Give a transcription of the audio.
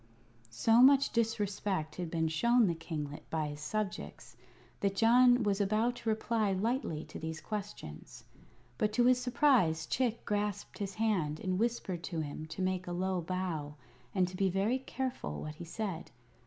So much disrespect had been shown this kinglet by his subjects that John was about to reply lightly to these questions; but to his surprise Chick grasped his hand and whispered to him to make a low bow and to be very careful what he said.